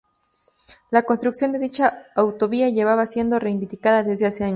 La construcción de dicha autovía llevaba siendo reivindicada desde hace años.